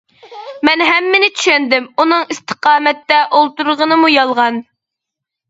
مەن ھەممىنى چۈشەندىم، ئۇنىڭ ئىستىقامەتتە ئولتۇرغىنىمۇ يالغان.